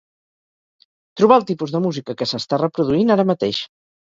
Trobar el tipus de música que s'està reproduint ara mateix.